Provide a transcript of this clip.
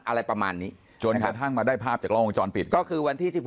อะไรประมาณนี้จนกระทั่งมาได้ภาพจากล้องวงจรปิดก็คือวันที่สิบห